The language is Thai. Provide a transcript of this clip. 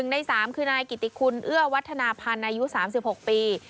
ใน๓คือนายกิติคุณเอื้อวัฒนาพันธ์อายุ๓๖ปี